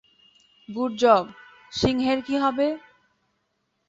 Good job - সিংহের কি হবে?